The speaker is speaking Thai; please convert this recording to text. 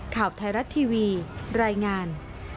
ข่าวไทยรัฐทีวีรายงาน